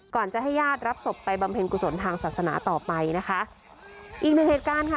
จะให้ญาติรับศพไปบำเพ็ญกุศลทางศาสนาต่อไปนะคะอีกหนึ่งเหตุการณ์ค่ะ